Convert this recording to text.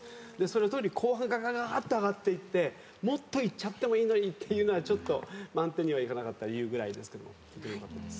特に後半ガガガガッと上がっていってもっといっちゃってもいいのにっていうのは満点にはいかなかった理由ぐらいですけどもとてもよかったです。